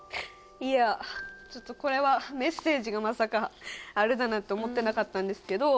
いやちょっとこれはメッセージがまさかあるだなんて思ってなかったんですけど